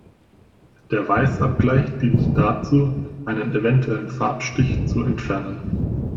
Der Weißabgleich dient dazu, einen eventuellen Farbstich zu entfernen.